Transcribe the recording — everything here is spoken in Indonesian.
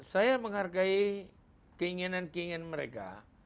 saya menghargai keinginan keinginan mereka